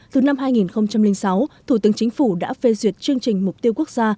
từ năm hai nghìn sáu thủ tướng chính phủ đã phê duyệt chương trình mục tiêu quốc gia